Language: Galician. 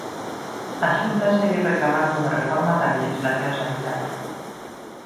A Xunta segue reclamando unha reforma da lexislación sanitaria.